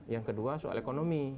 yang kedua soal ekonomi